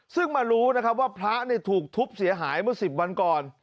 ซึ่งมารู้นะครับว่าพระถูกทุบเสียหายเมื่อ๑๐วันก่อน